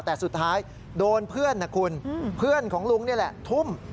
แต่สุดท้ายโดนเพื่อนนะคุณเพื่อนของลุงนี่แหละทุ่ม